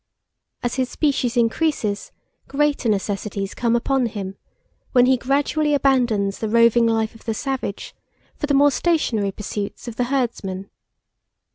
As his species increases, greater necessities come upon him, when he gradually abandons the roving life of the savage for the more stationary pursuits of the herdsman.